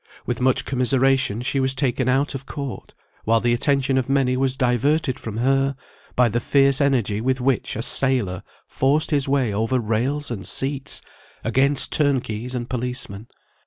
With much commiseration she was taken out of court, while the attention of many was diverted from her, by the fierce energy with which a sailor forced his way over rails and seats, against turnkeys and policemen.